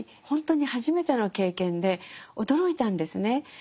ほんとに初めての経験で驚いたんですね。